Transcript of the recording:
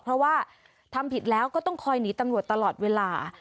เพราะว่าทำผิดแล้วก็ต้องคอยหนีตำรวจตลอดเวลา